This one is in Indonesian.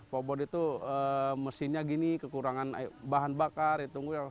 pak obot itu mesinnya gini kekurangan bahan bakar ditunggu